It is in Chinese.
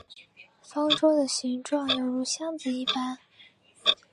方舟的形状有如箱子一般。